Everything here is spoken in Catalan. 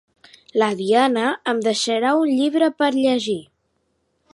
La Diana em deixarà un llibre per llegir.